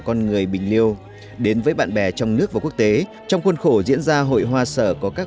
con người bình liêu đến với bạn bè trong nước và quốc tế trong khuôn khổ diễn ra hội hoa sở có các